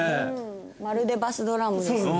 まるでバスドラムですね。